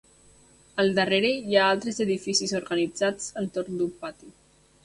Al darrere hi ha altres edificis organitzats entorn d'un pati.